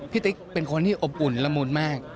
ติ๊กเป็นคนที่อบอุ่นละมุนมาก